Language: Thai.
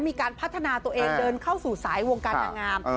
มีการพัฒนาตัวเองเดินเข้าสู่สายวงการนางงาม